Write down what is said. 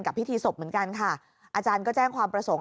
พิธีศพเหมือนกันค่ะอาจารย์ก็แจ้งความประสงค์